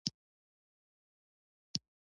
او درایت د ستونزو د غوڅولو ده